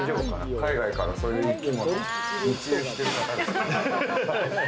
海外から、そういう生き物を密輸してる方。